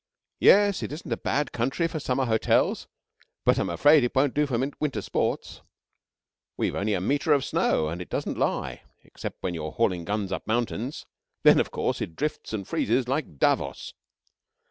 Yes, it isn't a bad country for summer hotels, but I'm afraid it won't do for winter sports. We've only a metre of snow, and it doesn't lie, except when you are hauling guns up mountains. Then, of course, it drifts and freezes like Davos.